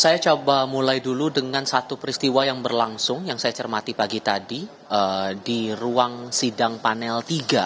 saya coba mulai dulu dengan satu peristiwa yang berlangsung yang saya cermati pagi tadi di ruang sidang panel tiga